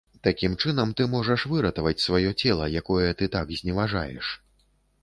Такім чынам ты можаш выратаваць сваё цела, якое ты так зневажаеш.